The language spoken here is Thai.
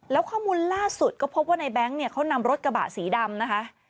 แล้วข้อมูลล่าสุดก็พบว่าในแง๊งเนี่ยเขานำรถกระบะสีดำนะคะ